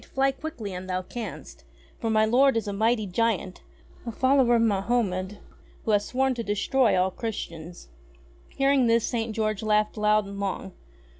Fly quickly an' thou canst, for my lord is a mighty giant, a follower of Mahomed, who hath sworn to destroy all Christians." Hearing this St. George laughed loud and long.